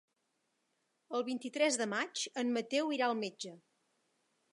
El vint-i-tres de maig en Mateu irà al metge.